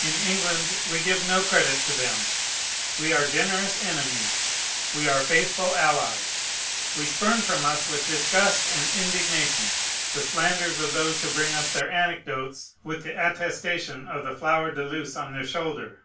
In England, we give no credit to them. We are generous enemies; we are faithful allies. We spurn from us with disgust and indignation the slanders of those who bring us their anecdotes with the attestation of the flower de luce on their shoulder.